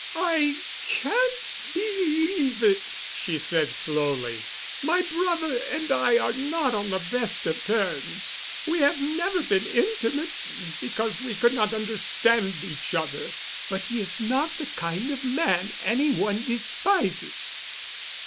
"I can't believe it," she said slowly. "My brother and I are not on the best of terms—we have never been intimate, because we could not understand each other. But he is not the kind of man any one despises.